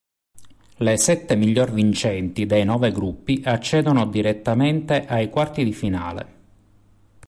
Le sette miglior vincenti dei nove gruppi accedono ai direttamente ai quarti di finale.